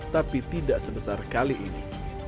tapi tidak sebesar kali ini